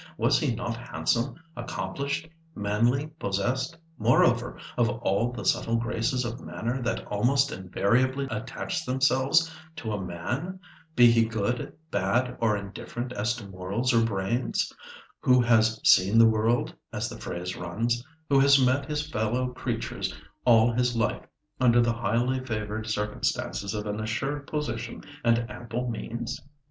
Was he not handsome, accomplished, manly, possessed, moreover, of all the subtle graces of manner that almost invariably attach themselves to a man, be he good, bad, or indifferent as to morals or brains, who has "seen the world," as the phrase runs—who has met his fellow creatures all his life under the highly favoured circumstances of an assured position and ample means?